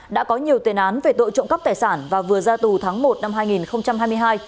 đã có nhiều tiền án về tội trộm cắp tài sản và vừa ra tù tháng một năm hai nghìn hai mươi hai